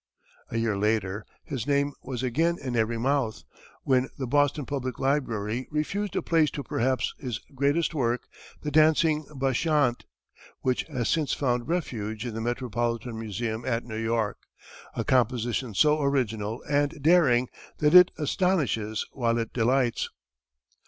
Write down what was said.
A year later his name was again in every mouth, when the Boston Public Library refused a place to perhaps his greatest work, the dancing "Bacchante," which has since found refuge in the Metropolitan Museum at New York a composition so original and daring that it astonishes while it delights.